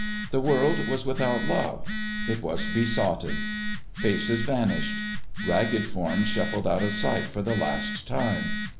The world was with out love : it was besotted. Faces vanished : rag ged forms shuffled out of sight for the last time.